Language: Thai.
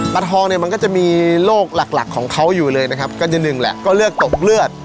ทองเนี่ยมันก็จะมีโรคหลักหลักของเขาอยู่เลยนะครับก็จะหนึ่งแหละก็เลือกตกเลือด